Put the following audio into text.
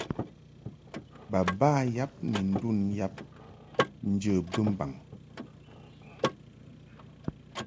Baba yab ni ndun yab njə bɨmbaŋ.